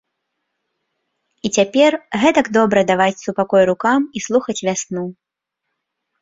І цяпер гэтак добра даваць супакой рукам і слухаць вясну.